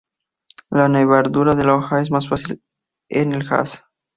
La nervadura de la hoja es más fácil en el haz.